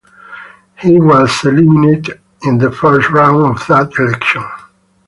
He was eliminated in the first round of that election.